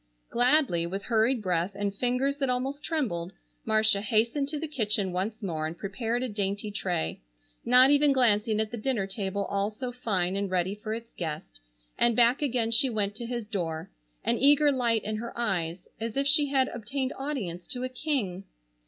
Gladly, with hurried breath and fingers that almost trembled, Marcia hastened to the kitchen once more and prepared a dainty tray, not even glancing at the dinner table all so fine and ready for its guest, and back again she went to his door, an eager light in her eyes, as if she had obtained audience to a king.